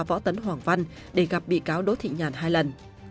võ tấn hoàng văn để gặp bị cáo đỗ thị nhàn hai lần